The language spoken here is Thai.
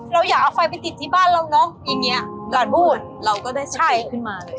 เราอยากเอาไฟไปติดที่บ้านเราเนอะอย่างเงี้ยหลานพูดเราก็ได้ใช่ขึ้นมาเลย